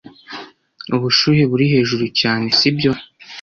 Ubushuhe buri hejuru cyane, sibyo?